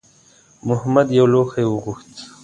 محمد یو لوښی وغوښت.